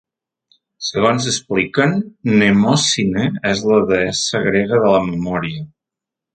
Segons expliquen, Mnemòsine és la deessa grega de la memòria.